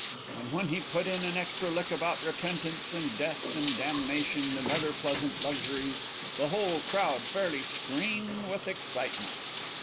And when he put in an extra lick about repentance, and death, and damnation, and other pleasant luxuries, the whole crowd fairly screamed with excitement.